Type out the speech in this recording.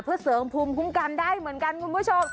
เพื่อเสริมภูมิคุ้มกันได้เหมือนกันคุณผู้ชม